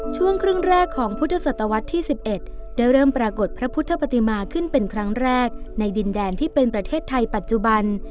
ช่วงครึ่งแรกของพุทธศตวรรษที่๑๑ได้เริ่มปรากฏพระพุทธปฏิมาขึ้นเป็นครั้งแรกในดินแดนที่เป็นประเทศไทยปัจจุบัน